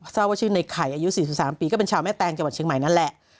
ทราบว่าชื่อในไข่อายุ๔๓ปีก็เป็นชาวแม่แตงจังหวัดเชียงใหม่นั่นแหละ